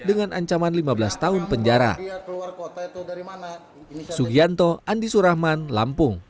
dengan ancaman lima belas tahun penjara